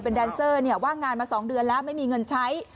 แดนเซอร์ว่างงานมา๒เดือนแล้วไม่มีเงินใช้